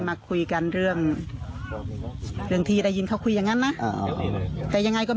มาคุยกันเรื่องเรื่องที่ได้ยินผู้ข่วยัง๒๐๒๑